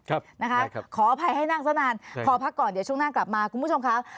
ขออภัยให้นั่งสักนานขอพักก่อนเดี๋ยวช่วงหน้ากลับมาคุณผู้ชมค่ะ